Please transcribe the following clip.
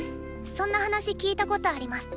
そんな話聞いたことあります。